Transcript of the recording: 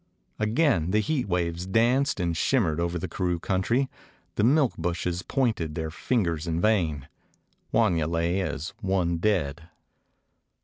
Again the heat waves danced and shimmered over the karoo country. The milk bushes pointed their fingers in vain. Wanya lay as one dead.